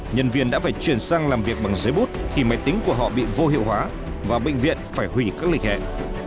nhân viên đã phải chuyển sang làm việc bằng giấy bút khi máy tính của họ bị vô hiệu hóa và bệnh viện phải hủy các lịch hẹn